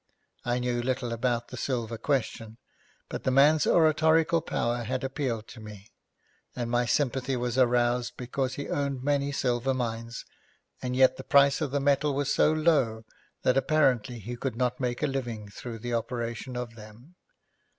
I knew little about the silver question, but the man's oratorical powers had appealed to me, and my sympathy was aroused because he owned many silver mines, and yet the price of the metal was so low that apparently he could not make a living through the operation of them.